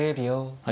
はい。